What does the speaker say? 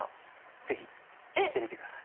ぜひ引いてみてください。